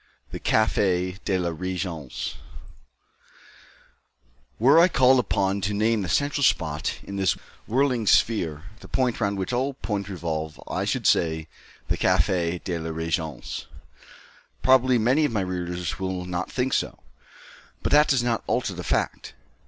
THE CAFÉ DE LA RÉGENCE. Were I called upon to name the central spot in this whirling sphere, the point round which all other points revolve, I should say The Café de la Régence. Probably many of my readers will not think so, but that does not alter the fact.